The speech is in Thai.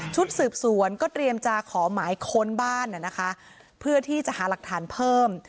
ชุดสืบสวนก็เตรียมจะขอหมายค้นบ้านนะคะเพื่อที่จะหาหลักฐานเพิ่ม